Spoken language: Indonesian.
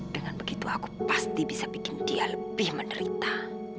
dengan begitu aku pasti bisa bikin dia lebih menderita